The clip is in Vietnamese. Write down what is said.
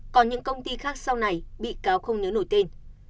còn những công ty khác sau này bị cáo không nhớ nổi tên